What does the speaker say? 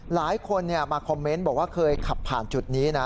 หลายคนมาคอมเมนต์บอกว่าเคยขับผ่านจุดนี้นะ